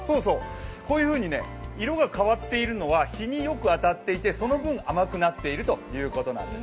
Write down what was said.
こういうふうに色が変わっているのは日によく当たっていてその分、甘くなっているということなんです。